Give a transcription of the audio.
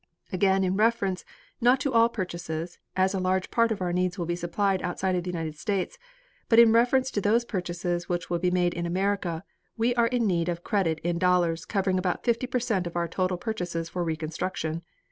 "Again in reference, not to all purchases as a large part of our needs will be supplied outside of the United States but in reference to those purchases which will be made in America, we are in need of credits in dollars covering about fifty per cent of our total purchases for reconstruction.